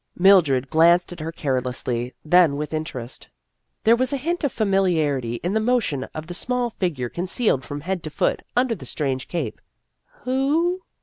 Mildred glanced at her carelessly, then with interest. There was a hint of familiarity in the motion of the small fig ure concealed from head to foot under the strange cape. " Who